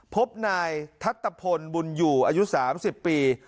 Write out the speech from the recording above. พบนายทัตตะพลบุญอยู่อายุ๓๐ปี